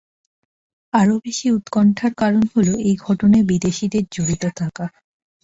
আরও বেশি উৎকণ্ঠার কারণ হলো, এই ঘটনায় বিদেশিদের জড়িত থাকা।